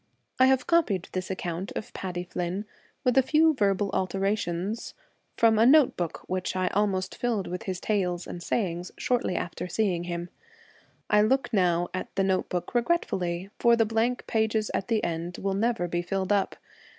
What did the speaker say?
I have copied this account of Paddy 5 The Flynn, with a few verbal alterations, from Celtic Twilight, a note book which I almost filled with his tales and sayings, shortly after seeing him. I look now at the note book regretfully, for the blank pages at the end will never be filled up.